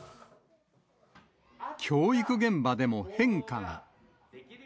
教育現場でも変化が。